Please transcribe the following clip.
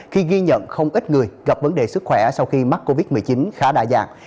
khi ghi nhận không ít người gặp vấn đề sức khỏe sau khi mắc covid một mươi chín khá đa dạng